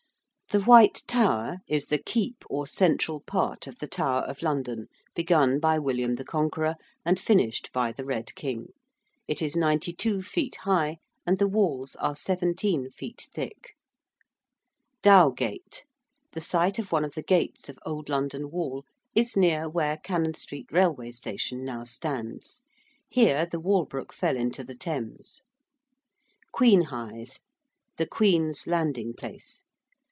The ~White Tower~ is the 'keep' or central part of the Tower of London, begun by William the Conqueror and finished by the Red King. It is 92 feet high and the walls are 17 feet thick. ~Dowgate~: the site of one of the gates of Old London Wall is near where Cannon Street Railway Station now stands: here the Walbrook fell into the Thames. ~Queen Hithe~: 'The Queen's Landing Place.'